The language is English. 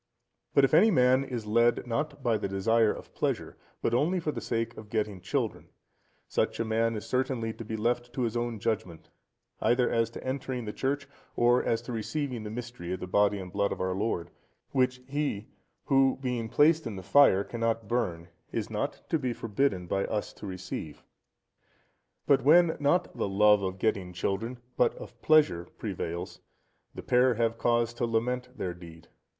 But if any man is led not by the desire of pleasure, but only for the sake of getting children, such a man is certainly to be left to his own judgement, either as to entering the church, or as to receiving the Mystery of the Body and Blood of our Lord, which he, who being placed in the fire cannot burn, is not to be forbidden by us to receive. But when, not the love of getting children, but of pleasure prevails, the pair have cause to lament their deed.